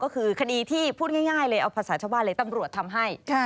ก็คือคดีที่พูดง่ายเลยเอาภาษาชาวบ้านเลยตำรวจทำให้